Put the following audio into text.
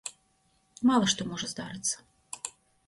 Мала што можа здарыцца.